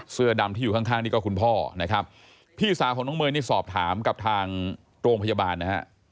เสื้อดำที่อยู่ข้างข้างนี่ก็คุณพ่อนะครับพี่สาวของน้องเมย์นี่สอบถามกับทางโรงพยาบาลนะฮะ